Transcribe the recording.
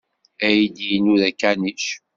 Aydi-inu d akanic.